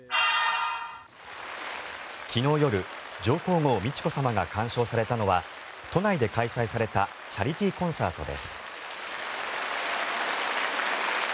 昨日夜上皇后・美智子さまが鑑賞されたのは都内で開催されたチャリティーコンサートです。